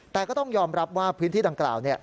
แต่ก็ต้องยอมรับว่าพื้นที่ดังกล่าว